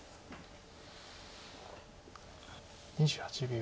２８秒。